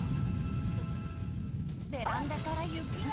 ベランダから雪が。